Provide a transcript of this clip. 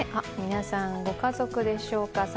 皆さん、ご家族でしょうか